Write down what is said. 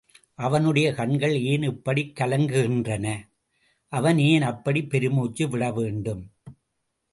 அவனுடைய கண்கள் ஏன் இப்படிக் கலங்குகின்றன?... அவன் ஏன் அப்படிப் பெருமூச்சு விடவேண்டும்?....